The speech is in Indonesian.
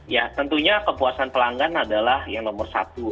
ya tentunya kepuasan pelanggan adalah yang nomor satu